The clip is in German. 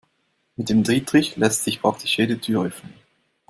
Mit dem Dietrich lässt sich praktisch jede Tür öffnen.